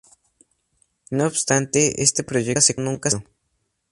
No obstante, este proyecto nunca se cumplió.